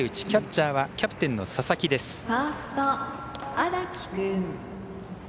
キャッチャーはキャプテンの佐々木です。